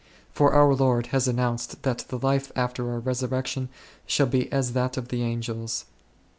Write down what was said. For our Lord has announced that the life after our resurrection shall be as that of the angels.